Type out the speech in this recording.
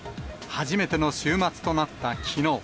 初めての週末となったきのう。